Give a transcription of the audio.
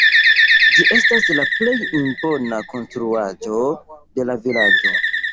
Ĝi estas la plej impona konstruaĵo de la vilaĝo.